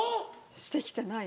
してきてない。